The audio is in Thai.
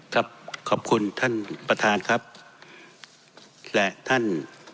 ครับขอบคุณท่านประธานครับและท่าน